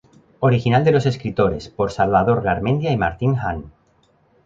Original de los escritores por Salvador Garmendia y Martín Hahn.